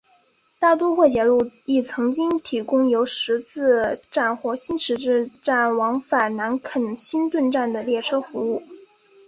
大都会铁路亦曾经提供由新十字站或新十字门站往返南肯辛顿站的列车服务。